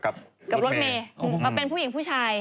กับเป็นผู้หญิงผู้ชาย